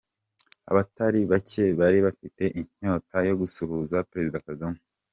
Abatari bacye bari bafite inyota yo gusuhuza Perezida Kagame.